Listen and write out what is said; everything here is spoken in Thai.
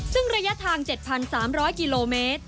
ซึ่งระยะทาง๗๓๐๐กิโลเมตร